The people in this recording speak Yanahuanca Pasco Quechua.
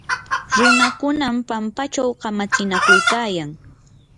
runakunam pampachaw kamatsinakuykayan.